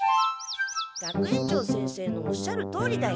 学園長先生のおっしゃるとおりだよ。